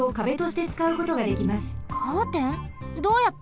どうやって？